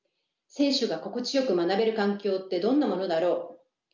選手が心地よく学べる環境ってどんなものだろう？